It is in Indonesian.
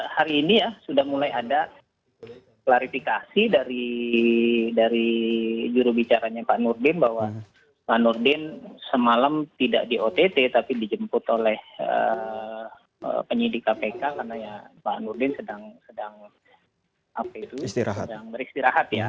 hari ini ya sudah mulai ada klarifikasi dari jurubicaranya pak nurdin bahwa pak nurdin semalam tidak di ott tapi dijemput oleh penyidik kpk karena ya pak nurdin sedang beristirahat ya